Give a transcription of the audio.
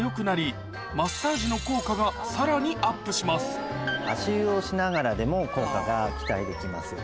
お風呂で足湯をしながらでも効果が期待できます。